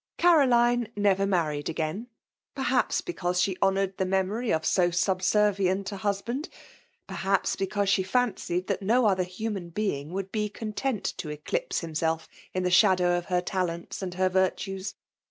Cwdine ivevct married again : perhaps, he^ cause she honouied the memory of so subser^ ^6t4 a husband; perhaps, because she fancied thai no qAicx human being would be content to eelipse Umself in the shadow of her talents aad her viitaes.